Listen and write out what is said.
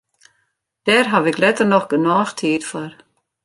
Dêr haw ik letter noch genôch tiid foar.